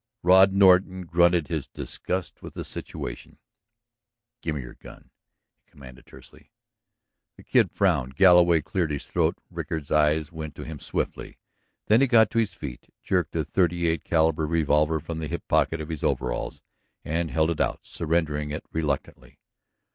Rod Norton grunted his disgust with the situation. "Give me your gun," he commanded tersely. The Kid frowned. Galloway cleared his throat. Rickard's eyes went to him swiftly. Then he got to his feet, jerked a thirty eight caliber revolver from the hip pocket of his overalls and held it out, surrendering it reluctantly.